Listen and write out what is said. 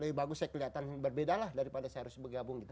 lebih bagus saya kelihatan berbeda lah daripada saya harus bergabung gitu